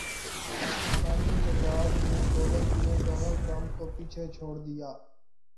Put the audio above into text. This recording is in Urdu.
پاکستانی نژاد نے دولت میں ڈونلڈ ٹرمپ کو پیچھے چھوڑ دیا